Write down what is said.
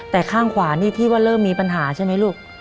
แต่ข้างขวานี่ที่ว่าเริ่มมีปัญหาใช่ไหมลูก